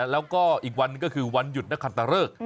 แล้วก็อีกวันก็คือวันหยุดนักคันตะเริก